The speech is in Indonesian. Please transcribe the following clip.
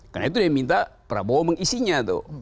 karena itu dia minta prabowo mengisinya